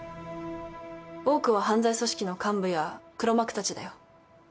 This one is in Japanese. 多くは犯罪組織の幹部や黒幕たちだよ。